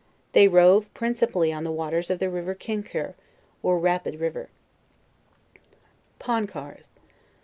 They rove principally on the waters of the river Q,uicurre, or Kapid river. PONCARS.